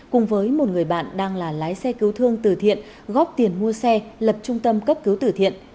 cùng với một người bạn đang là lái xe cứu thương từ thiện góp tiền mua xe lập trung tâm cấp cứu tử thiện